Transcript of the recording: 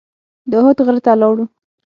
د احد غره ته لاړو.